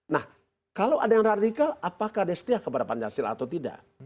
nah kalau ada yang radikal apakah dia setia kepada pancasila atau tidak